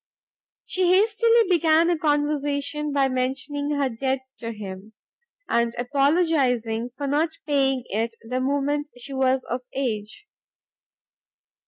She hastily began a conversation by mentioning her debt to him, and apologising for not paying it the moment she was of age.